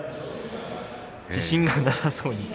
自信がなさそうに。